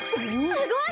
すごい！